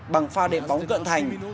bằng pha đệm bóng cận thành